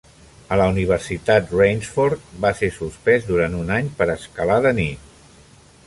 A la universitat, Raynsford va ser sospès durant un any per escalar de nit.